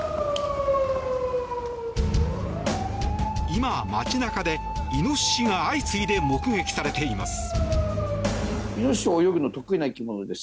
今、街中でイノシシが相次いで目撃されています。